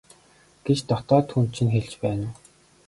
гэж дотоод хүн чинь хэлж байна уу?